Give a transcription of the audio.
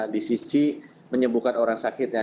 di sisi menyembuhkan orang sakitnya